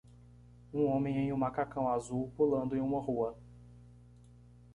Um homem em um macacão azul pulando em uma rua.